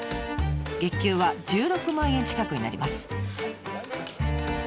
月給は１６万円近くになります。